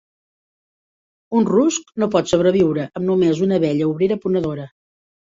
Un rusc no pot sobreviure amb només una abella obrera ponedora.